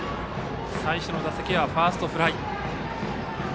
最初の打席はファーストフライ。